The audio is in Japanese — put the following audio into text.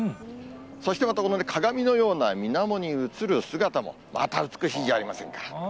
そしてまたこの鏡のようなみなもに映る姿も、また美しいじゃありませんか。